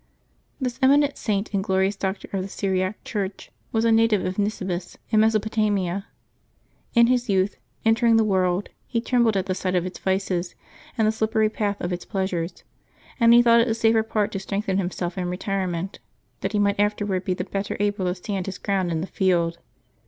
CHis eminent Saint and glorious Doctor of the Syriac Church was a native of Nisibis, in Mesopotamia. In his youth, entering the world, he trembled at the sight of its yices and the slippery path of its pleasures, and he thought it the safer part to strengthen himself in retire ment, that he might afterward be the better able to stand his ground in the field.